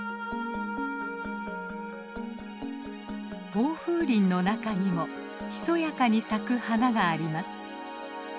防風林の中にもひそやかに咲く花があります。